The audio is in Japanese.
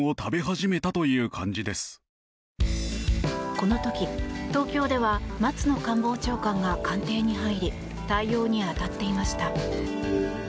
この時、東京では松野官房長官が官邸に入り対応に当たっていました。